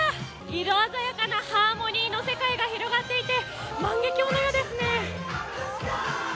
色鮮やかなハーモニーの世界が広がっていて万華鏡のようですね。